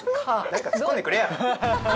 何かつっこんでくれよ